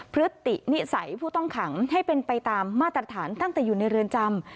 พฤตินิสัยผู้ต้องขังให้เป็นไปตามมาตรฐานตั้งแต่อยู่ในเรือนจำ